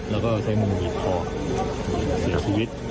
แล้วก็ใช้มือบีบคอเสียชีวิต